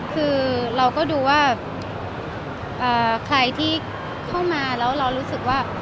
คือเราก็ดูว่าใครที่เข้ามาแล้วเรารู้สึกว่า